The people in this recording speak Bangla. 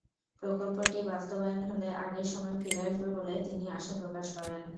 প্রকল্পটি বাস্তবায়ন হলে আগের সময় ফিরে আসবে বলে তিনি আশা প্রকাশ করেন।